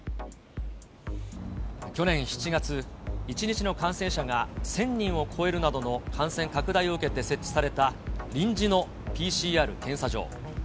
去年７月、１日の感染者が１０００人を超えるなどの感染拡大を受けて設置された臨時のＰＣＲ検査場。